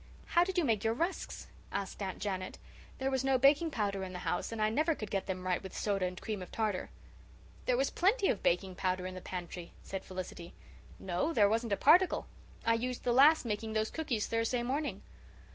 "How did you make your rusks?" asked Aunt Janet. "There was no baking powder in the house, and I never could get them right with soda and cream of tartar." "There was plenty of baking powder in the pantry," said Felicity. "No, there wasn't a particle. I used the last making those cookies Thursday morning."